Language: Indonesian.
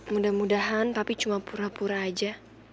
mudah mudahan papi cuma pura pura saja